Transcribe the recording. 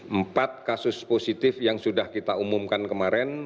empat kasus positif yang sudah kita umumkan kemarin